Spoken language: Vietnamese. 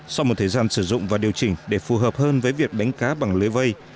sau một thời gian sử dụng và điều chỉnh để phù hợp hơn với việc đánh cá bằng lưới vây